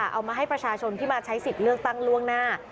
เอามาให้ประชาชนที่มาใช้สิทธิ์เลือกตั้งล่วงหน้า